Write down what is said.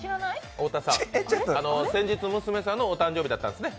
太田さん、先日、娘さんの誕生日だったんですね。